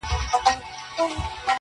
o سیاه پوسي ده، اوښکي نڅېږي.